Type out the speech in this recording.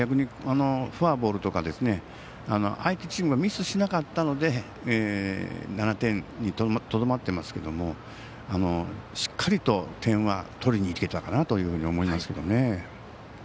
逆にフォアボールとか相手チームがミスしなかったので７点にとどまってますけどしっかりと点は取りにいけたかなと思いますけどね。